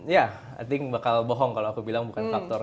ya i think bakal bohong kalau aku bilang bukan faktor